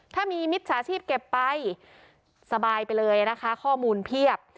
ถ้ามีมิจฉาชีพเก็บไปสบายไปเลยนะคะข้อมูลเพียบ